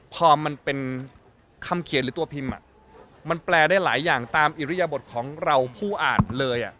พอมันเป็นคำเขียนหรือตัวพิมพ์มันแปลได้หลายอย่างตามอิริยบทของเราผู้อ่านเลย